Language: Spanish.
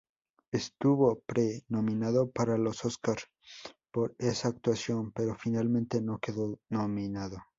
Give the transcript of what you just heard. Estuvo pre-nominado para los Óscar por esa actuación pero finalmente no quedó nominado.